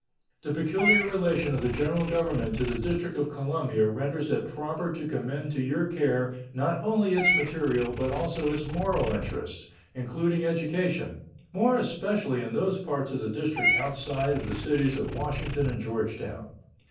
The peculiar relation of the General Government to the District of Columbia renders it proper to commend to your care not only its material but also its moral interests, including education, more especially in those parts of the District outside of the cities of Washington and Georgetown.